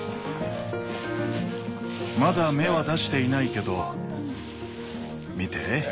まだ芽は出していないけど見て。